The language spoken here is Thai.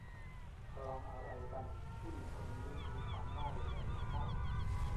พลังอะไรกัน ผู้หญิงคนนี้มีความน่าหลงไหลอย่างมาก